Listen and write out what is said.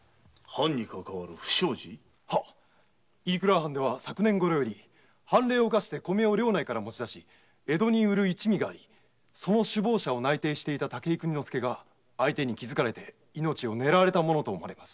飯倉藩では昨年より藩令を犯して米を領内から持ち出し江戸に売る一味があり主謀者を内偵していた武井邦之助が相手に気づかれ命を狙われたものと思われます。